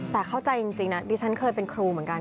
แต่เข้าใจจริงนะดิฉันเคยเป็นครูเหมือนกัน